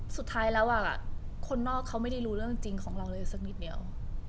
สุดท้ายแล้วคนนอกเขาไม่ได้รู้เรื่องจริงของเราเลยสักนิดเดียว